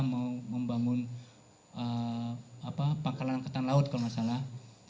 amerika mau membangun pangkalan angkatan laut kalau tidak salah